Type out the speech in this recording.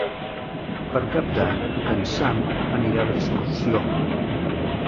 Per Cap d'Any en Sam anirà d'excursió.